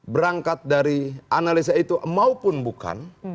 berangkat dari analisa itu maupun bukan